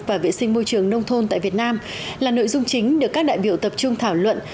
và vệ sinh môi trường nông thôn tại việt nam là nội dung chính được các đại biểu tập trung thảo luận